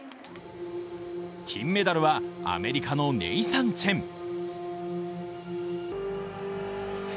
金メダルは、アメリカのネイサン・チェン。